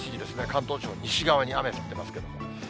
関東地方、西側に雨降ってますけど。